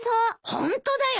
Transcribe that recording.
ホントだよ。